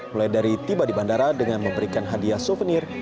mulai dari tiba di bandara dengan memberikan hadiah souvenir